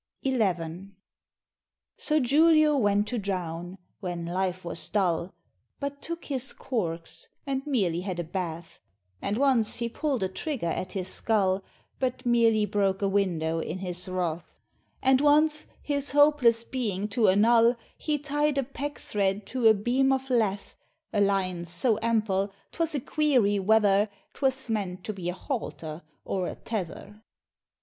XI. So Julio went to drown, when life was dull, But took his corks, and merely had a bath; And once he pull'd a trigger at his skull, But merely broke a window in his wrath; And once, his hopeless being to annul, He tied a pack thread to a beam of lath, A line so ample, 'twas a query whether 'Twas meant to be a halter or a tether.